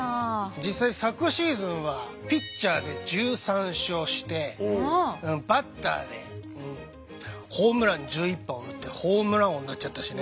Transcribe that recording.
実際昨シーズンはピッチャーで１３勝してバッターでホームラン１１本打ってホームラン王になっちゃったしね。